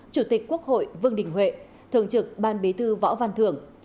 chủ tịch quốc hội vương đình huệ thường trực ban bí thư võ văn thưởng